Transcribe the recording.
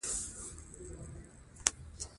ډیری وروڼه خپلي خویندي د میراث غوښتني په خاطر نه ودوي.